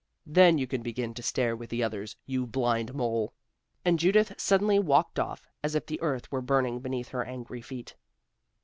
Then you can begin to stare with the others, you blind mole!" and Judith suddenly walked off as if the earth were burning beneath her angry feet.